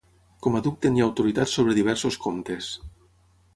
Com a duc tenia autoritat sobre diversos comtes.